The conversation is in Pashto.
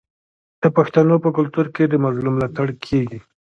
د پښتنو په کلتور کې د مظلوم ملاتړ کیږي.